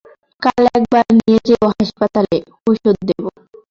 কাল একবার নিয়ে যেও হাসপাতালে, ওষুধ দেব।